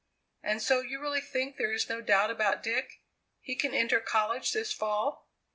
"And so you really think there is no doubt about Dick? He can enter college this fall?"